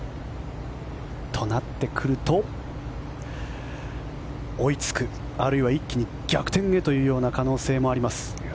と、なってくると追いつく、あるいは一気に逆転へというような可能性もあります。